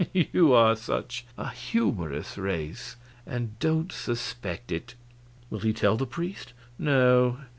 You are such a humorous race and don't suspect it." "Will he tell the priest?" "No.